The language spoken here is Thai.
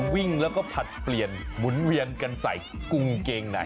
วิ่งแล้วก็ผลัดเปลี่ยนหมุนเวียนกันใส่กุงเกงไหน